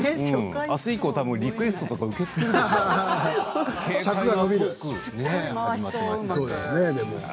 あす以降リクエストとか受け付けるんじゃないの？